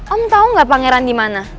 om tau gak pangeran dimana